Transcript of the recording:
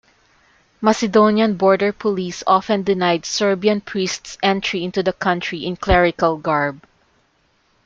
Macedonian border police often denied Serbian priests entry into the country in clerical garb.